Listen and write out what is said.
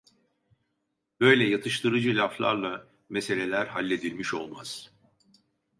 Böyle yatıştırıcı laflarla meseleler halledilmiş olmaz.